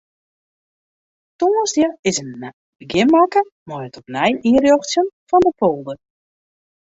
Tongersdei is in begjin makke mei it opnij ynrjochtsjen fan de polder.